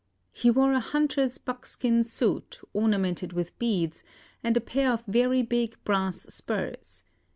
He wore a hunter's buckskin suit, ornamented with beads, and a pair of very big brass spurs.